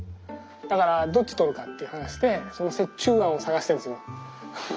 だからどっちとるかっていう話でその折衷案を探してるんです。